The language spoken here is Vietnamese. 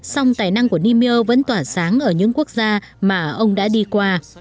song tài năng của niel vẫn tỏa sáng ở những quốc gia mà ông đã đi qua